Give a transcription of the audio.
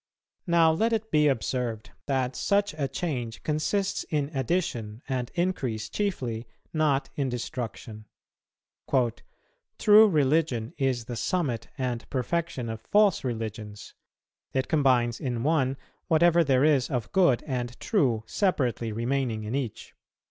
Now let it be observed, that such a change consists in addition and increase chiefly, not in destruction. "True religion is the summit and perfection of false religions; it combines in one whatever there is of good and true separately remaining in each.